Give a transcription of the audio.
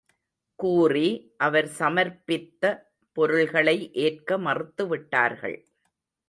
கூறி, அவர் சமர்ப்பித்த பொருள்களை ஏற்க மறுத்துவிட்டார்கள்.